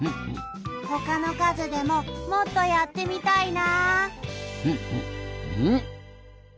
ほかのかずでももっとやってみたいな。